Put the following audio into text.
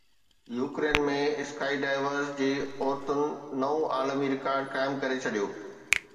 Ukraine ۾ skydivers جي عورتن نئون عالمي رڪارڊ قائم ڪري ڇڏيو